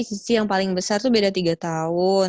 kunci yang paling besar tuh beda tiga tahun